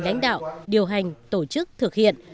lãnh đạo điều hành tổ chức thực hiện